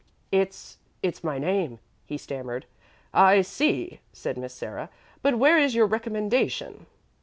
"'It's it's my name,' he stammered. "'I see,' said Miss Sarah; 'but where is your recommendation?'